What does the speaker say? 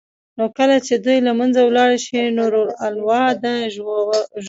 نو كله چي دوى له منځه ولاړ شي نور انواع د ژوو به